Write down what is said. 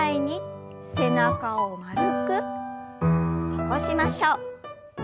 起こしましょう。